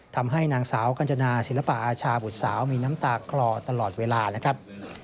ทำให้นางสาวกัญจนาศิลปะอาชาบุตรสาวมีน้ำตาคลอตลอดเวลานะครับ